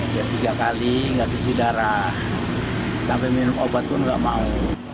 dia tiga kali gak disidara sampai minum obat pun gak mau